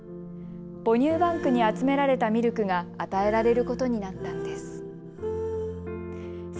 母乳バンクに集められたミルクが与えられることになったんです。